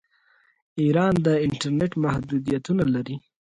ایران د انټرنیټ محدودیتونه لري.